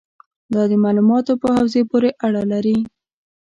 دا د معاملاتو په حوزې پورې اړه لري.